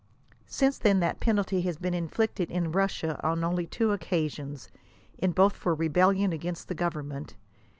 Since ihen that penalty has been inflicted in Russia on only two occasions, in both for rebellion against the government.